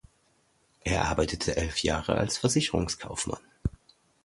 Er arbeitete elf Jahre als Versicherungskaufmann.